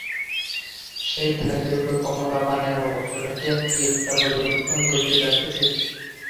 সেই থাকের উপর কমলা পানের মোড়ক রাখিয়া কী একটা পর্যবেক্ষণ করিতে যাইতেছিল।